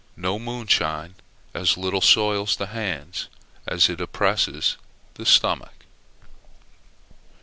No; moonshine as little soils the hands as it oppresses the stomach.